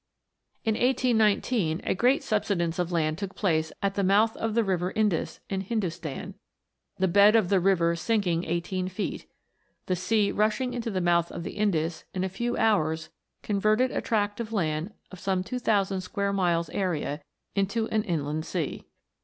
In 1819, a great subsidence of land took place at the mouth of the river Indus, in Hindostan, the bed of the river sinking eighteen feet; the sea rushing into the mouth of the Indus, in a few hours 302 PLUTO'S KINGDOM. converted a tract of land of some 2000 square miles area, into an inland sea.